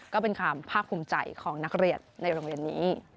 ก็เป็นความภาคภูมิใจของนักเรียนในโรงเรียนนี้